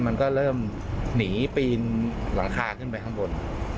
มันก็เริ่มหนีปีนหลังคาขึ้นไปข้างบน